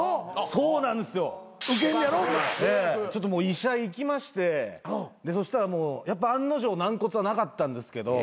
医者行きましてそしたらやっぱ案の定軟骨はなかったんですけど。